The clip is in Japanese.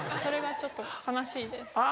それがちょっと悲しいです。